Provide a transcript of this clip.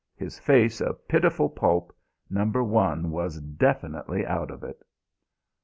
His face a pitiful pulp, number one was definitely out of it.